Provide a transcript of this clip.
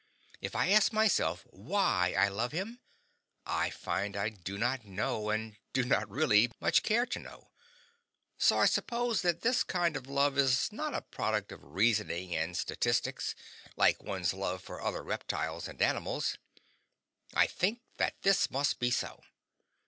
If I ask myself why I love him, I find I do not know, and do not really much care to know; so I suppose that this kind of love is not a product of reasoning and statistics, like one's love for other reptiles and animals. I think that this must be so.